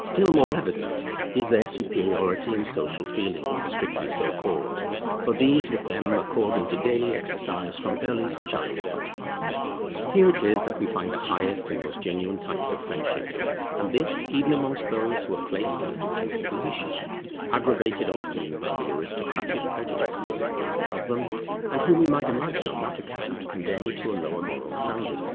Still more evident is their superiority in social feelings strictly so called, for these with them are called into daily exercise from earliest childhood. Here it is that we find the highest and most genuine types of friendship, and this even amongst those who are placed in a dependent position, aggravated often by the aristocratic prejudices of those above them, and whom we might imagine on that account condemned to a lower moral standard.